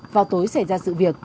vào tối xảy ra sự việc